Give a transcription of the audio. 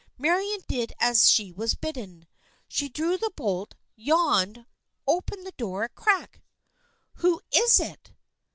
Marian did as she was bidden. She drew the bolt, yawned, opened the door a crack. " Who is it